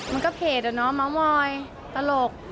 มันก็เพจอ่ะเนอะม้าวมอยตลก